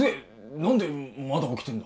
何でまだ起きてんだ？